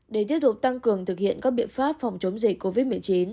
để tiếp tục tăng cường thực hiện các biện pháp phòng chống dịch covid một mươi chín